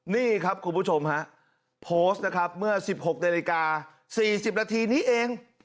นี่ครับคุณผู้ชมฮะโพสต์นะครับเมื่อ๑๖นาฬิกา๔๐นาทีนี้เอง